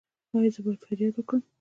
ایا زه باید فریاد وکړم؟